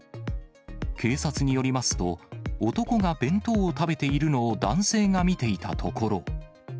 警察によりますと、男が弁当を食べているのを男性が見ていたところ。